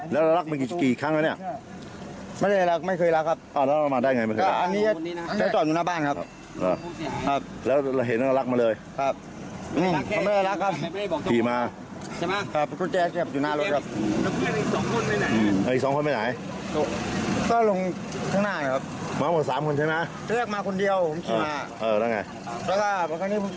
แล้วก็นี่เข้ามาลงอยู่นี่ครับ